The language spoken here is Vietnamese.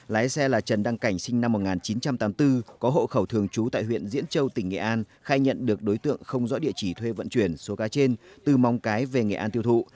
lái xe là trần đăng cảnh sinh năm một nghìn chín trăm tám mươi bốn có hộ khẩu thường trú tại huyện diễn châu tỉnh nghệ an khai nhận được đối tượng không rõ địa chỉ thuê vận chuyển số cá trên từ móng cái về nghệ an tiêu thụ